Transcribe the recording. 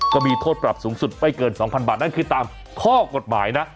ก็มีโทษปรับสูงสุดไม่เกิน๒๐๐บาทนั่นคือตามข้อกฎหมายนะ